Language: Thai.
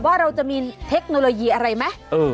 ว่าเราจะมีเทคโนโลยีอะไรไหม